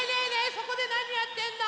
そこでなにやってんの？